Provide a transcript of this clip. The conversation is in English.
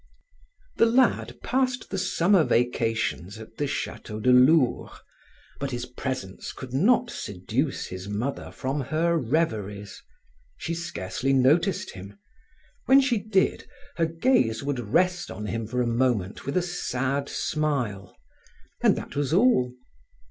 The lad passed the summer vacations at the Chateau de Lourps, but his presence could not seduce his mother from her reveries. She scarcely noticed him; when she did, her gaze would rest on him for a moment with a sad smile and that was all.